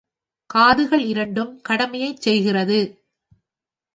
காதுகள் இரண்டும் கடமையைச் செய்கிறது.